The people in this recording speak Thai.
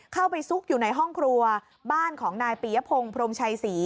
ซุกอยู่ในห้องครัวบ้านของนายปียพงศ์พรมชัยศรี